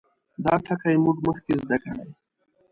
دا ټګي موږ مخکې زده کړې.